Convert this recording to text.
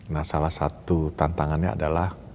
nah salah satu tantangannya adalah